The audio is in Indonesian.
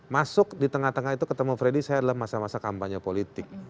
masuk di tengah tengah itu ketemu freddy saya adalah masa masa kampanye politik